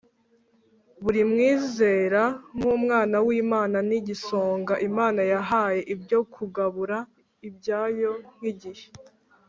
Buri mwizera nk'umwana w'Imana ni igisonga Imana yahaye ibyo kugabura ibyayo nk'igihe,